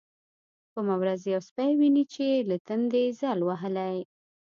کومه ورځ يو سپى ويني چې له تندې ځل وهلى.